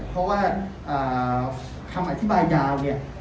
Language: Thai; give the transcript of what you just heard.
เพราะว่าคำอธิบายยาวเนี่ย